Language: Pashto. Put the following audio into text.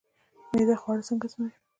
معده خواړه څنګه هضموي